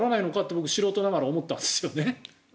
僕、素人ながらに思ったんですよね。